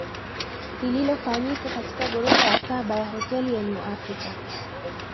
lililofanyika katika ghorofa ya saba ya Hoteli ya New Africa